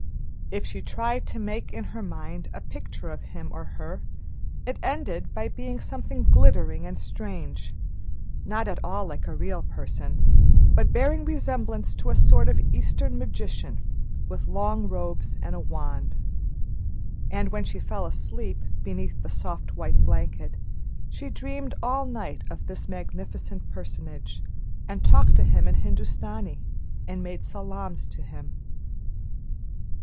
If she tried to make in her mind a picture of him or her, it ended by being something glittering and strange not at all like a real person, but bearing resemblance to a sort of Eastern magician, with long robes and a wand. And when she fell asleep, beneath the soft white blanket, she dreamed all night of this magnificent personage, and talked to him in Hindustani, and made salaams to him.